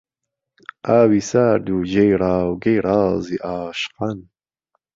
ئاوی سارد و جێی راوگهی رازی عاشقان